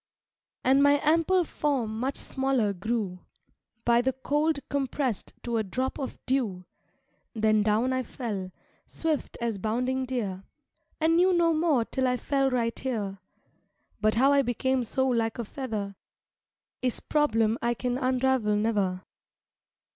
"And my ample form much smaller grew, By the cold compressed to a drop of dew; Then down I fell, swift as bounding deer, And knew no more till I fell right here; But how I became so like a feather Is problem I can unravel never.